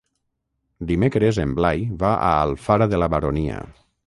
Dimecres en Blai va a Alfara de la Baronia.